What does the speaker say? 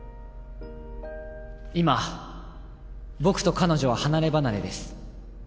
今僕と彼女は離れ離れです。